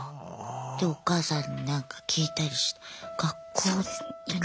でお母さんに何か聞いたり学校ってなに？